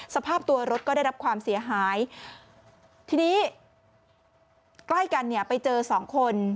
สภาพตัวรถก็ได้รับความเสียหายทีนี้ใกล้กันเนี่ยไปเจอสองคน